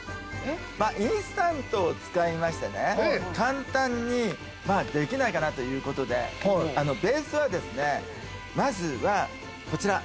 インスタントを使いましてね、簡単にはできないかなということで、ベースはですね、まずはこちら。